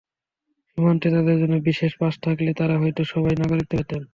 সীমান্তে তাঁদের জন্য বিশেষ পাস থাকলে তাঁরা হয়তো সবাই নাগরিকত্ব পেতেন।